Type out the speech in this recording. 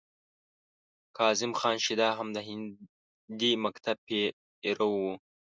کاظم خان شیدا هم د هندي مکتب پیرو و.